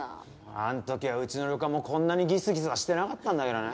あの時はうちの旅館もこんなにギスギスはしてなかったんだけどね。